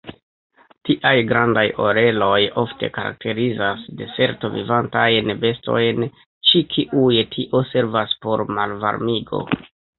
Tiaj grandaj oreloj ofte karakterizas deserto-vivantajn bestojn, ĉi kiuj tio servas por malvarmigo.